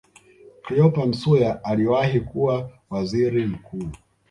Cleopa Msuya aliyewahi kuwa Waziri Mkuu